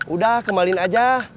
udah kembalin aja